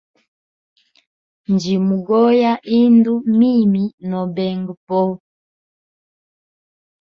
Njimugoya indu mimi nobenga po.